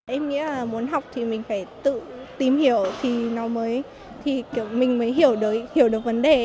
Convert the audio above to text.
em nghĩ là muốn học thì mình phải tự tìm hiểu thì mình mới hiểu được vấn đề